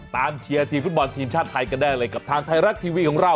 เชียร์ทีมฟุตบอลทีมชาติไทยกันได้เลยกับทางไทยรัฐทีวีของเรา